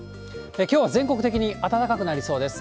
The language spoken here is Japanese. きょうは全国的に暖かくなりそうです。